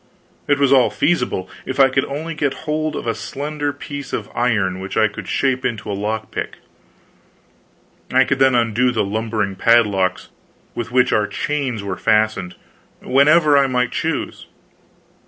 It was all feasible, if I could only get hold of a slender piece of iron which I could shape into a lock pick. I could then undo the lumbering padlocks with which our chains were fastened, whenever I might choose.